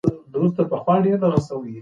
د جمعې ورځ په ټوله نړۍ کې د رخصتۍ ورځ ده.